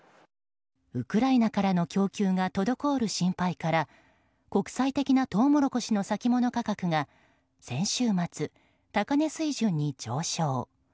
ウクライナからの供給が滞る心配から国際的なトウモロコシの先物価格が先週末、高値水準に上昇。